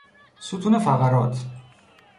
ستون فقرات